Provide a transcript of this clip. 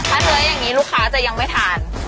ถ้าเนื้ออย่างนี้ลูกค้าจะยังไม่ทาน